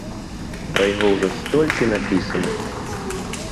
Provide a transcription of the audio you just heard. Пра яго ўжо столькі напісана!